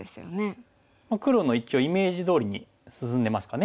黒の一応イメージどおりに進んでますかね。